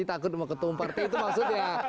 takut mau ketemu partai itu maksudnya